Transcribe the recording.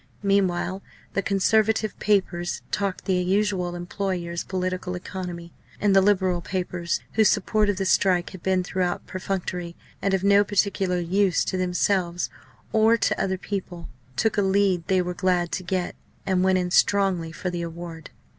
Meanwhile the Conservative papers talked the usual employers' political economy; and the Liberal papers, whose support of the strike had been throughout perfunctory, and of no particular use to themselves or to other people, took a lead they were glad to get, and went in strongly for the award.